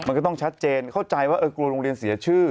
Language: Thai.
มันก็ต้องชัดเจนเข้าใจว่าเออกลัวโรงเรียนเสียชื่อ